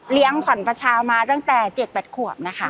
ขวัญประชามาตั้งแต่๗๘ขวบนะคะ